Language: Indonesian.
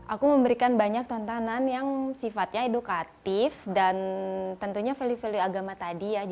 aku memberikan banyak tontonan yang sifatnya edukatif dan tentunya value value agama tadi ya